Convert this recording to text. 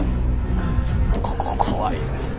ここ怖いんです。